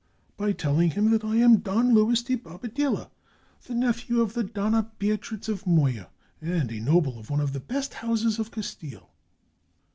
"By telling him that I am Don Luis de Bobadilla, the nephew of the Dona Beatriz of Moya, and a noble of one of the best houses of Castile."